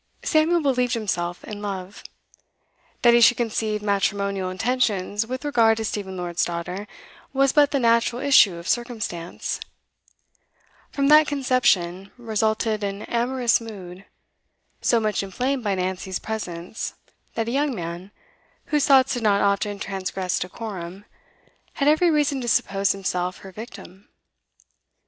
Samuel believed himself in love. That he should conceive matrimonial intentions with regard to Stephen Lord's daughter was but the natural issue of circumstance; from that conception resulted an amorous mood, so much inflamed by Nancy's presence that a young man, whose thoughts did not often transgress decorum, had every reason to suppose himself her victim.